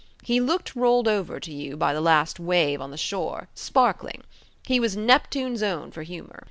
He looked rolled over to you by the last wave on the shore, sparkling: he was Neptune's own for humour.